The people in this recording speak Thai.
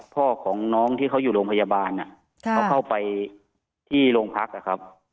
พ่อของน้องที่เขาอยู่โรงพยาบาลเขาเข้าไปที่โรงพักนะครับ